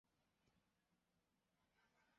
普雷特勒维尔。